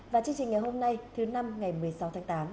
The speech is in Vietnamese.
và chương trình ngày hôm nay thứ năm ngày một mươi sáu tháng tám